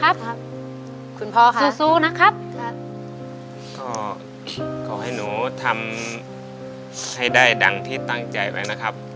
ครับครับคุณพ่อค่ะสู้สู้นะครับครับก็ขอให้หนูทำให้ได้ดังที่ตั้งใจไว้นะครับ